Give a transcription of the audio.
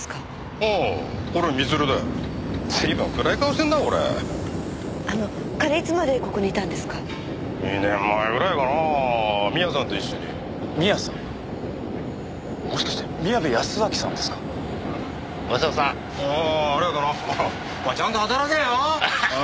お前ちゃんと働けよ！